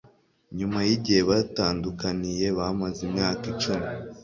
Nyuma y'igihe batandukaniye bamaze imyaka icumi